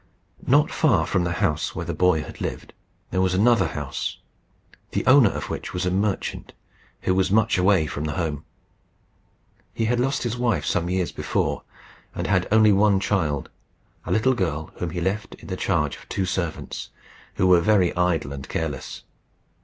Not far from the house where the boy had lived there was another house, the owner of which was a merchant, who was much away from home. He had lost his wife some years before, and had only one child, a little girl, whom he left to the charge of two servants, who were very idle and careless.